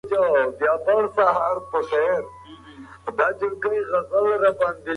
شریف ته د هرې میاشتې په پای کې معاش ورکول کېږي.